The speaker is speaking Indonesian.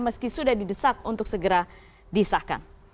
meski sudah didesak untuk segera disahkan